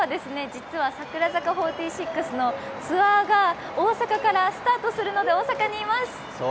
実は櫻坂４６のツアーが大阪からスタートするので大阪にいます。